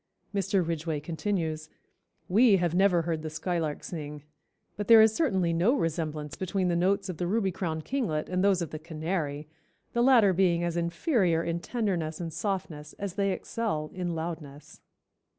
Mr. Ridgway continues: "We have never heard the skylark sing, but there is certainly no resemblance between the notes of the Ruby crowned Kinglet and those of the canary, the latter being as inferior in tenderness and softness as they excel in loudness."